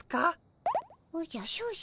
おじゃ小心。